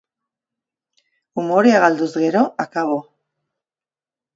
Umorea galduz gero, akabo.